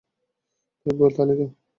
ভাই, তালি দাও!